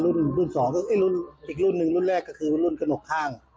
รุ่นรุ่นสองรุ่นอีกรุ่นหนึ่งรุ่นแรกก็คือรุ่นกระหนกข้าง